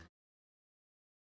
tante tante tunggu dulu sebentar